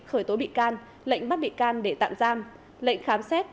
khởi tố bị can lệnh bắt bị can để tạm giam lệnh khám xét